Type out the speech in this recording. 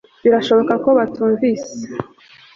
birashoboka ko batakumvise